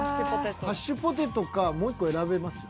ハッシュポテトかもう１個選べますよ。